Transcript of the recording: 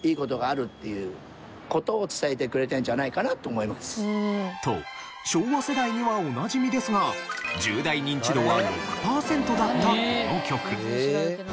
続いては。と昭和世代にはおなじみですが１０代ニンチドは６パーセントだったこの曲。